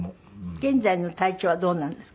現在の体調はどうなんですか？